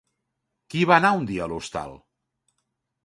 Qui va anar un dia a l'hostal?